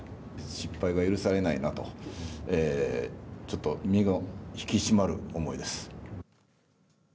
失敗は許されないなとちょっと身が引き締まる思いです。